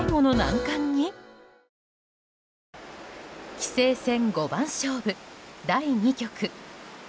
棋聖戦五番勝負第２局。